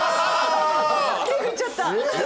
手振っちゃった。